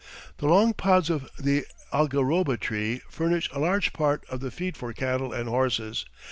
The long pods of the algaroba tree furnish a large part of the feed for cattle and horses.